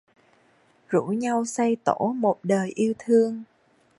Rủ nhau xây tổ một đời yêu thương